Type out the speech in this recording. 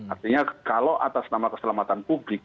artinya kalau atas nama keselamatan publik